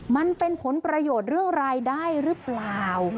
มันเป็นผลประโยชน์เรื่องรายได้หรือเปล่า